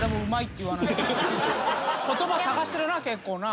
言葉探してるな結構な。